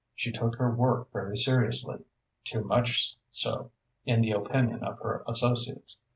She took her work very seriously—too much so, in the opinion of her associates.